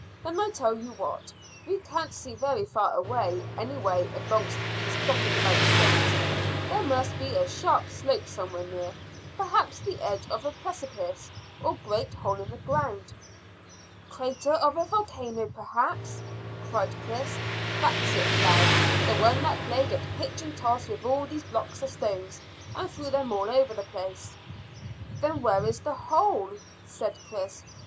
Then I tell you what. We can't see very far away any way amongst these dotted about stones; there must be a sharp slope somewhere near, perhaps the edge of a precipice, or great hole in the ground." "Crater of a volcano, perhaps," cried Chris. "That's it, lad; the one that played at pitch and toss with all these blocks of stone, and threw them all over the place." "Then where is the hole?" said Chris.